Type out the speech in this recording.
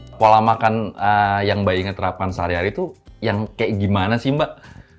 kepala makanan yang baik diterapkan sehari hari itu yang kayak gimana sih mbak